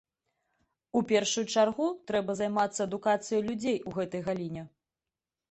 У першую чаргу, трэба займацца адукацыяй людзей у гэтай галіне.